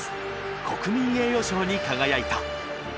国民栄誉賞に輝いた。